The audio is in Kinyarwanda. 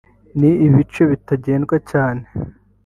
n’ ibice bitagendwa cyane